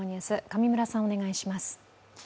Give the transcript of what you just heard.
上村さんお願いします。